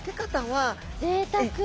ぜいたく。